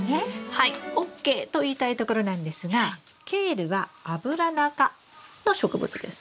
はいＯＫと言いたいところなんですがケールはアブラナ科の植物です。